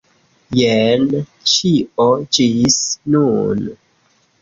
Jen ĉio, ĝis nun.